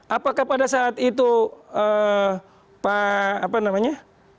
apakah pada saat itu pak apa namanya